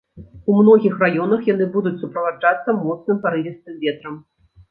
У многіх раёнах яны будуць суправаджацца моцным парывістым ветрам.